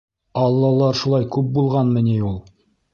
Аллалар шулай күп булғанмы ни ул?